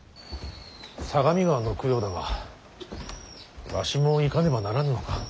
相模川の供養だがわしも行かねばならんのか。